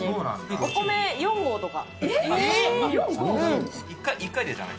お米４号とか。